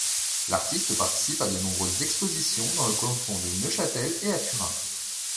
L'artiste participe à de nombreuses expositions dans le canton de Neuchâtel et à Turin.